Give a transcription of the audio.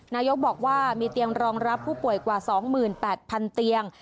นายกบอกว่ามีเตียงรองรับผู้ป่วยกว่า๒๘๐๐๐เตียง